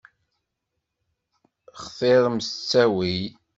Xtiṛem s ttawil.